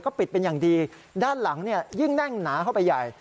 ปิดเป็นอย่างดีด้านหลังเนี่ยยิ่งแน่นหนาเข้าไปใหญ่